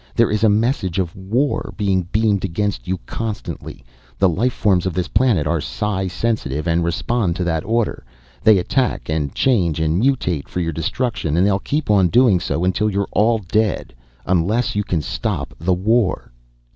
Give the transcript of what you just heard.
There is a message of war being beamed against you constantly. The life forms of this planet are psi sensitive, and respond to that order. They attack and change and mutate for your destruction. And they'll keep on doing so until you are all dead. Unless you can stop the war."